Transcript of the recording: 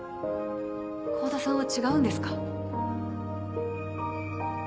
香田さんは違うんですか。